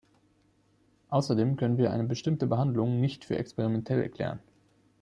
Außerdem können wir eine bestimmte Behandlung nicht für experimentell erklären.